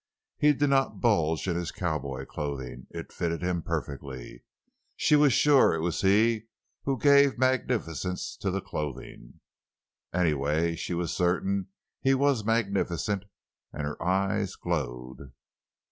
He did not bulge in his cowboy clothing; it fitted him perfectly. She was sure it was he who gave magnificence to the clothing. Anyway, she was certain he was magnificent, and her eyes glowed.